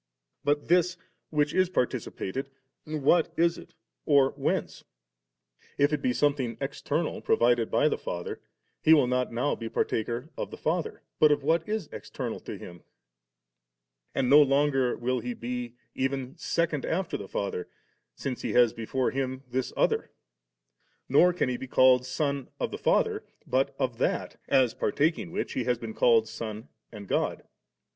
But this, which is participated, what is it or whence^? If it be something external pro vided by the Father, He will not now be partaker of the Father, but of what is external to Him; and no longer will He be even second afler the Father, since He has before Him this other ; nor can He be called Son of the Father, but of that, as partaking which He has been called Son and God.